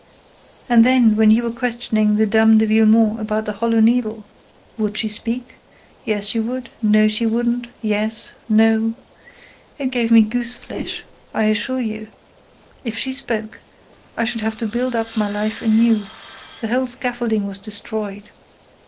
And then, when you were questioning the Dame de Villemon about the Hollow Needle! Would she speak? Yes, she would—no, she wouldn't—yes—no. It gave me gooseflesh, I assure you.—If she spoke, I should have to build up my life anew, the whole scaffolding was destroyed.